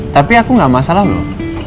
tapi aku nggak masalah loh